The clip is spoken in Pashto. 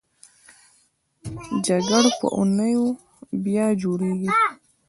جګر په اونیو بیا جوړېږي.